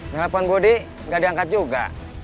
nelpon budi gak diangkat juga